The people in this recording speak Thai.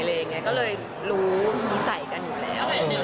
เลยรู้ภาษากันอยู่แล้ว